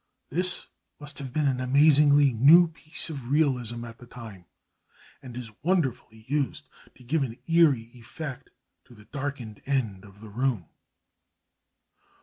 This must have been an amazingly new piece of realism at the time, and is wonderfully used, to give an eerie effect to the darkened end of the room.